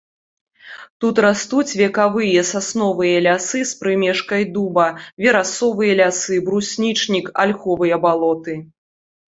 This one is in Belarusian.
Тут растуць векавыя сасновыя лясы з прымешкай дуба, верасовыя лясы, бруснічнік, альховыя балоты.